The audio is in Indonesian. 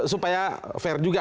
supaya fair juga